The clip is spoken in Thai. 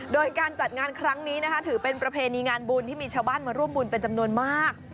โดยการจัดงานครั้งนี้นะคะถือเป็นประเพณีงานบุญที่มีชาวบ้านมาร่วมบุญเป็นจำนวนมาก